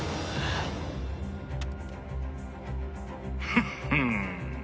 フッフン。